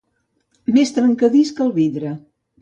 Més trencadís que el vidre.